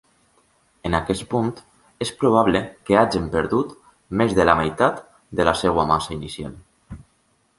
En aquest punt, es probable que hagin perdut més de la meitat de la seva massa inicial.